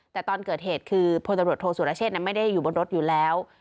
แต่ตอนเกิดเหตุคือพลตำรวจโทษสุรเชษฐไม่ได้อยู่บนรถอยู่แล้ว